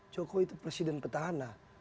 jokowi itu presiden petahana